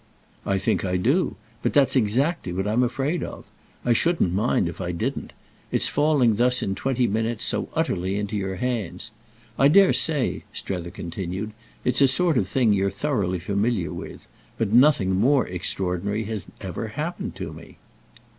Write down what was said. "I think I do!—but that's exactly what I'm afraid of. I shouldn't mind if I didn't. It's falling thus in twenty minutes so utterly into your hands. I dare say," Strether continued, "it's a sort of thing you're thoroughly familiar with; but nothing more extraordinary has ever happened to me."